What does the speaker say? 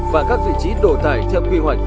và các vị trí đổ tải theo quy hoạch